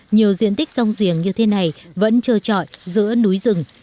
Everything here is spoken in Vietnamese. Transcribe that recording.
nhiều diện tích rong giềng như thế này vẫn trơ trọi giữa núi rừng